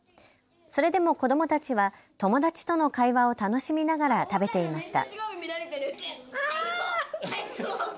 それでも子どもたちは友達との会話を楽しみながら食べていました。